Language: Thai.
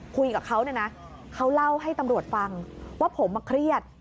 คุยกับเขาเนี่ยนะเขาเล่าให้ตำรวจฟังว่าผมมาเครียด